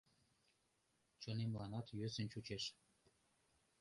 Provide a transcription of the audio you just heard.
Чонемланат йӧсын чучеш.